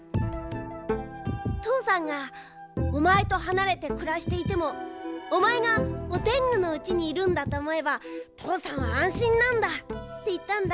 とうさんが「おまえとはなれてくらしていてもおまえがオテングのうちにいるんだとおもえばとうさんはあんしんなんだ」っていったんだ。